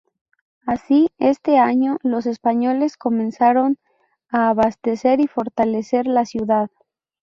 Así, este año, los españoles comenzaron a abastecer y fortalecer la ciudad.